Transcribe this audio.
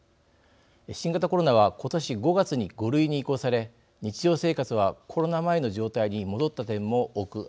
新型コロナは今年５月に５類に移行され日常生活はコロナ前の状態に戻った点も多くあります。